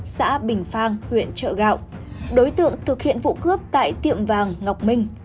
xã bình phan huyện chợ gạo đối tượng thực hiện vụ cướp tại tiệm vàng ngọc minh